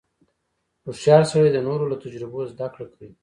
• هوښیار سړی د نورو له تجربو زدهکړه کوي.